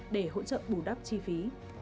để hỗ trợ bù đắp chi phí